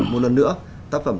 một lần nữa tác phẩm